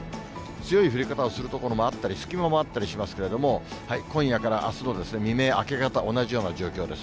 強い降り方をする所もあったり、隙間もあったりしますけれども、今夜からあすの未明、明け方、同じような状況です。